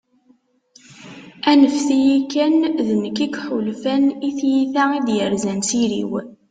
anfet-iyi kan, d nekk i yeḥulfan, i tyita i d-yerzan s iri-w